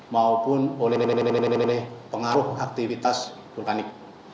maupun oleh pengaruh aktivitas vulkanik